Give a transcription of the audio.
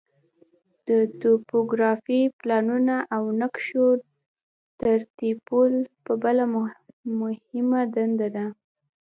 د توپوګرافیکي پلانونو او نقشو ترتیبول بله مهمه دنده ده